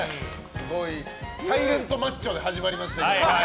すごいサイレントマッチョで始まりました。